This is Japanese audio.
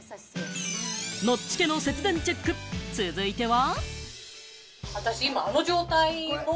ノッチ家の節電チェック、続いては。